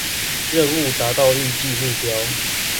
任務達到預計目標